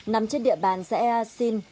nằm trên địa bàn zaea sin